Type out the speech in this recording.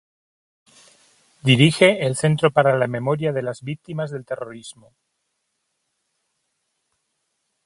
Dirige el Centro para la Memoria de las Víctimas del Terrorismo.